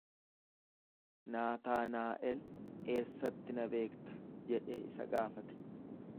Naataanaa'el, Eessatti na beekta jedhee isa gaafate.